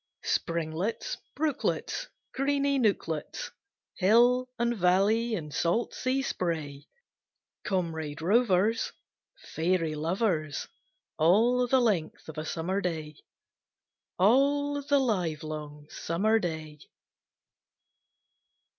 Springlets, brooklets, Greeny nooklets, Hill and Valley, and salt sea spray, Comrade rovers, Fairy lovers, All the length of a Summer day All the livelong Summer day!